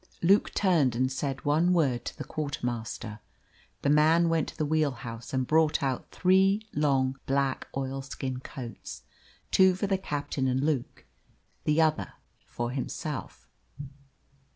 Luke turned and said one word to the quartermaster. The man went to the wheelhouse and brought out three long black oilskin coats two for the captain and Luke, the other for himself.